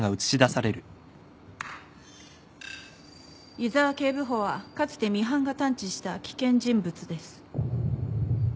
井沢警部補はかつてミハンが探知した危険人物です。